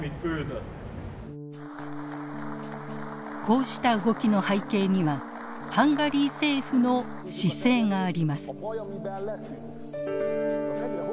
こうした動きの背景にはハンガリー政府の姿勢があります。